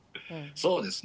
そうですね。